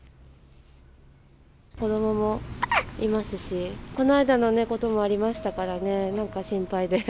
子どももいますし、この間のこともありましたからね、なんか心配で。